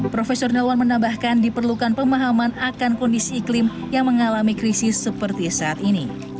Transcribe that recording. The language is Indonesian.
profesor nelwan menambahkan diperlukan pemahaman akan kondisi iklim yang mengalami krisis seperti saat ini